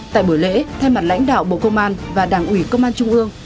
tại buổi lễ thay mặt lãnh đạo bộ công an và đảng ủy công an trung ương